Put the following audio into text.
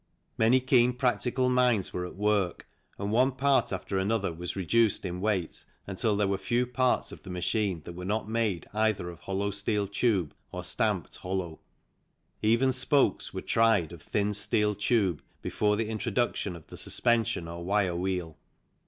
Many keen practical minds were at work, and one part after another was reduced in weight until there were few parts of the machine that were not made either of hollow steel tube or stamped hollow ; even spokes were tried of thin steel tube before the introduction of the suspension or wire wheel.